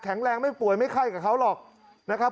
แรงไม่ป่วยไม่ไข้กับเขาหรอกนะครับ